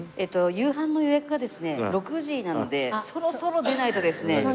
夕飯の予約がですね６時なのでそろそろ出ないとですね。